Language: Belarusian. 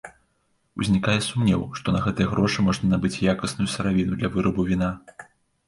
Узнікае сумнеў, што на гэтыя грошы можна набыць якасную сыравіну для вырабу віна.